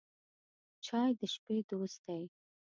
چای د شپې دوست دی.